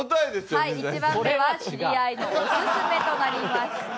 １番目は知り合いのおすすめとなりました。